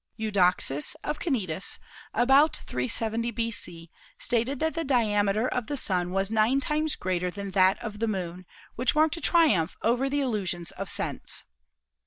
Eudoxus of Cnidus, about 370 B.C., stated that the diameter of the Sun was nine times greater than that of the Moon, which marked a triumph over the illusions of sense.